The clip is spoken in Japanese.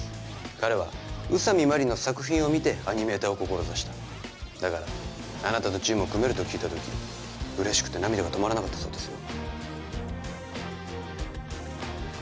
彼は宇佐美マリの作品を見てアニメーターを志しただからあなたとチームを組めると聞いた時嬉しくて涙が止まらなかったそうですよ